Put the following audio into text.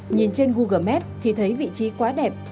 nhìn trên google map thì thấy vị trí quá đẹp